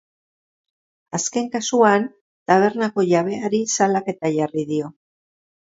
Azken kasuan, tabernako jabeari salaketa jarri dio.